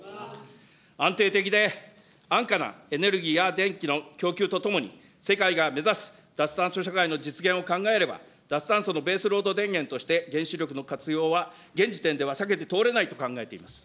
安定的で安価なエネルギーや電気の供給とともに、世界が目指す脱炭素社会の実現を考えれば、脱炭素のベースロード電源として原子力の活用は現時点では避けて通れないと考えております。